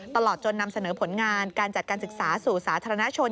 ตลอดจนนำเสนอผลงานการจัดการศึกษาสู่สาธารณชน